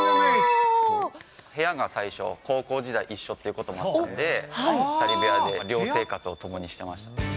部屋が最初、高校時代、一緒ということもあって、２人部屋で寮生活を共にしていました。